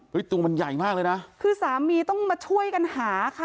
ตัวมันใหญ่มากเลยนะคือสามีต้องมาช่วยกันหาค่ะ